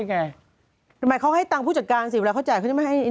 หมายความว่าเขาให้ตังค์ผู้จัดการสิเวลาเขาจ่ายเขาจะไม่ให้กินเหรอ